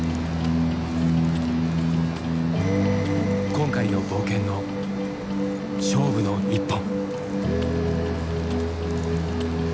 今回の冒険の勝負の１本。